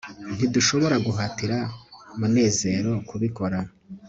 ntidushobora guhatira munezero kubikora